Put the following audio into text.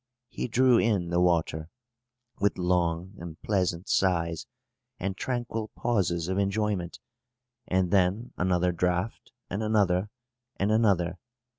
He drew in the water, with long and pleasant sighs, and tranquil pauses of enjoyment; and then another draught, and another, and another.